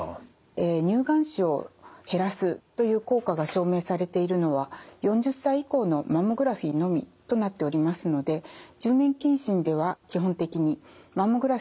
乳がん死を減らすという効果が証明されているのは４０歳以降のマンモグラフィーのみとなっておりますので住民検診では基本的にマンモグラフィー検査を行っています。